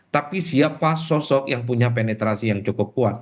tapi siapa sosok yang punya penetrasi yang cukup kuat